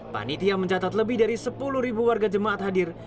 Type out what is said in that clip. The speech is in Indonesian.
panitia mencatat lebih dari sepuluh warga jemaat hadir